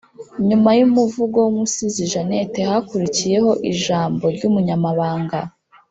nyuma y’umuvugo w’umusizi jeannette, hakurikiyeho ijambo ry’umunyamabanga